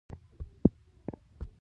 د کانګ ولسوالۍ پولې ته نږدې ده